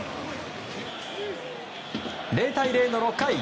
０対０の６回。